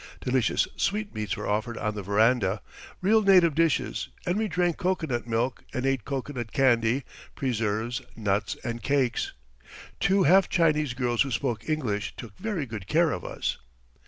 Delicious sweetmeats were offered on the veranda, real native dishes, and we drank cocoanut milk and ate cocoanut candy, preserves, nuts and cakes. Two half Chinese girls who spoke English took very good care of us.